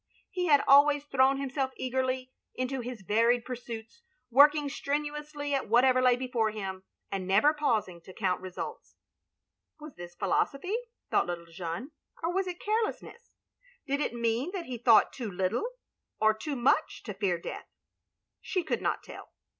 He had always thrown himself eagerly into his varied pursuits, working strenuously at whatever lay before him, and never pausing to count results. Was this philosophy? thought little Jeanne, or was it carelessness? Did it mean that he thought too little — or too much — to fear death? She could not tell.